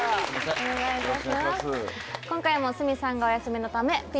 お願いします